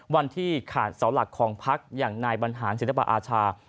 วันที่ขาดเสาหลักของพักอย่างนายบรรหารศิลปอาชา